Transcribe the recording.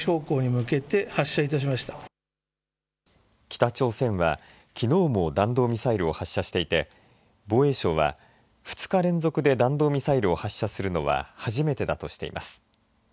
北朝鮮は、きのうも弾道ミサイルを発射していて防衛省は２日連続で弾道ミサイルを発射するのは初めてだとしています。